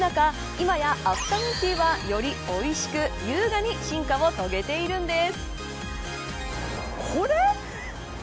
今やアフタヌーンティーはよりおいしく、優雅に進化を遂げているんです。